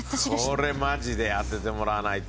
これマジで当ててもらわないと。